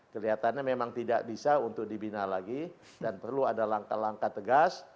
kelihatannya memang tidak bisa untuk dibina lagi dan perlu ada langkah langkah tegas